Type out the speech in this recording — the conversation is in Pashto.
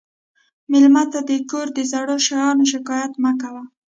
مېلمه ته د کور د زړو شیانو شکایت مه کوه.